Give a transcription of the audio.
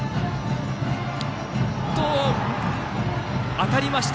当たりました。